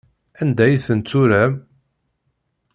Anda ay ten-turam?